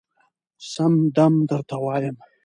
سم دم درته وايم